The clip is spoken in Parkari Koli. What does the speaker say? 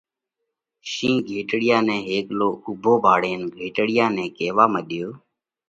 شِينه گھيٽڙِيا نئہ هيڪلو اُوڀو ڀاۯينَ گھيٽڙِيا نئہ ڪيوا مڏيو: